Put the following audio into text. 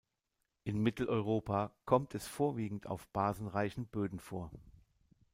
In Mitteleuropa kommt es vorwiegend auf basenreichen Böden vor.